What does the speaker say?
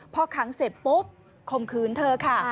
พอขังเสร็จปุ๊บคมคืนเธอค่ะ